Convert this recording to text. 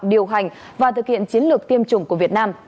điều hành và thực hiện chiến lược tiêm chủng của việt nam